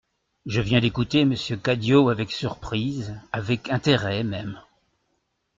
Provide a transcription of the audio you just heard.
Je viens d'écouter Monsieur Cadio avec surprise, avec intérêt même.